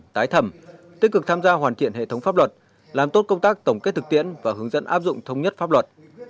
tái thẩm tích cực tham gia hoàn thiện hệ thống pháp luật làm tốt công tác tổng kết thực tiễn và hướng dẫn áp dụng thống nhất pháp luật